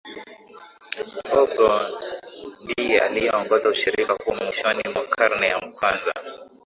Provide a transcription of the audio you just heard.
Mdogo ndiye aliyeongoza ushirika huo Mwishoni mwa karne ya kwanza